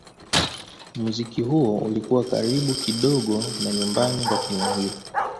Muziki huo ulikuwa karibu kidogo na nyumbani kwa kina Hill.